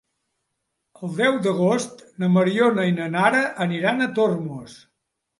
El deu d'agost na Mariona i na Nara aniran a Tormos.